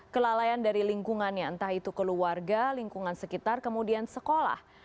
kelalaian dari lingkungannya entah itu keluarga lingkungan sekitar kemudian sekolah